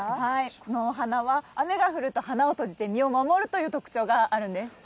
このお花は雨が降ると花を閉じて身を守るという特徴があるんです。